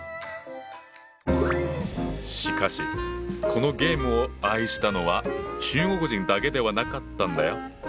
しかしこのゲームを愛したのは中国人だけではなかったんだよ。